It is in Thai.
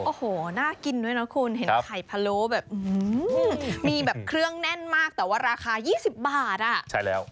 โอ้โหน่ากินด้วยนะคุณเห็นไข่พะโล้แบบมีแบบเครื่องแน่นมากแต่ว่าราคา๒๐บาทอ่ะใช่แล้ว